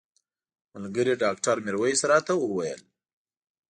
ملګري ډاکټر میرویس راته وویل.